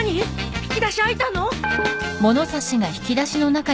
引き出し開いたの？